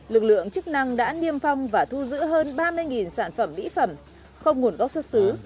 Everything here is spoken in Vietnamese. lực lượng chức năng đã niêm phong và thu giữ hơn ba mươi sản phẩm mỹ phẩm không nguồn gốc xuất xứ